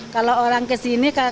kalau orang kesini kakak